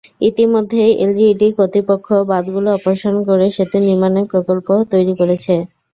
ইতিমধ্যেই এলজিইডি কর্তৃপক্ষ বাঁধগুলো অপসারণ করে সেতু নির্মাণের প্রকল্প তৈরি করেছে।